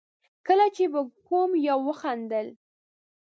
کله چې به کوم يوه وخندل.